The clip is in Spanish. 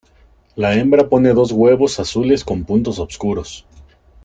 La hembra pone dos huevos azules con puntos oscuros.